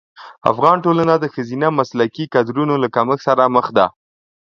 افغان ټولنه د ښځینه مسلکي کدرونو له کمښت سره مخ ده.